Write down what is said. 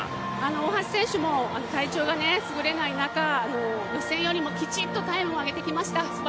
大橋選手も体調がすぐれない中、予選よりもきちんとタイムを上げてきました。